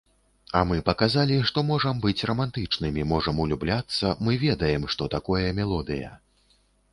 А мы паказалі, што можам быць рамантычнымі, можам улюбляцца, мы ведаем, што такое мелодыя.